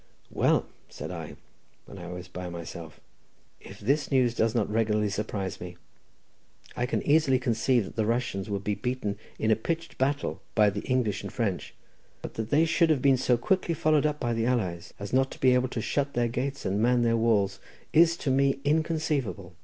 "Well," said I, when I was by myself, "if this news does not regularly surprise me! I can easily conceive that the Russians would be beaten in a pitched battle by the English and French—but that they should have been so quickly followed up by the allies as not to be able to shut their gates and man their walls is to me inconceivable.